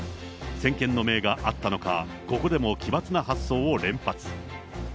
先見の明があったのか、ここでも奇抜な発想を連発。